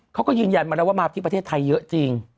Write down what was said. เขาก็ยืนยันมาแล้วว่ามาที่ประเทศไทยเยอะจริง